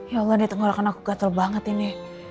ya allah nih tenggorokan aku gatel banget ini